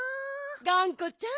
がんこちゃん。